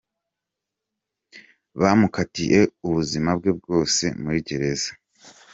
Bamukatiye ubuzima bwe boze muri gereza.